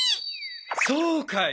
そうかい。